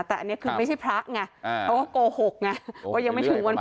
แต่อันนี้ไม่ใช่พระไงเขาก็โกหกไง